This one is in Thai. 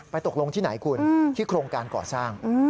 ตกลงที่ไหนคุณที่โครงการก่อสร้าง